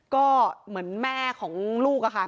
ก็เหมือนแม่ของลูกอะค่ะ